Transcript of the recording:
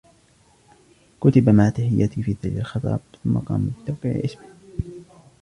كتب " مع تحياتي " في ذيل الخطاب ثم قام بتوقيع اسمه.